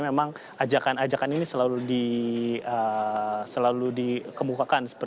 memang ajakan ajakan ini selalu dikemukakan